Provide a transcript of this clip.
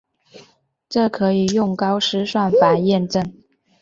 这可以用高斯算法验证。